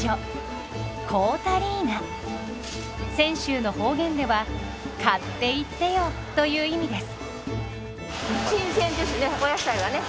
泉州の方言では「買っていってよ」という意味です。